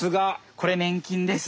これねん菌です。